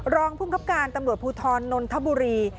รองภูมิครับการตำรวจภูทรนนทบุรี